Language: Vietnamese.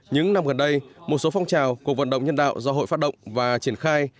những năm gần đây một số phong trào cuộc vận động nhân đạo do hội phát động và triển khai